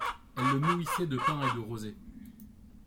Elle le nourrissait de pain et de rosée